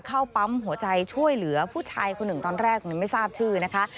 เข้าปั๊มหัวใจช่วยเหลือผู้ชายคนหนึ่งตอนแรกไม่ทราบชื่อนะคะ